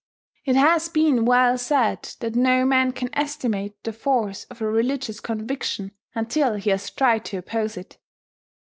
It has been well said that no man can estimate the force of a religious conviction until he has tried to oppose it.